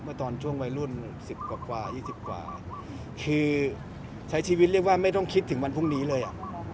ตอนช่วงวัยรุ่น๑๐กว่า๒๐กว่าคือใช้ชีวิตเรียกว่าไม่ต้องคิดถึงวันพรุ่งนี้เลยอ่ะ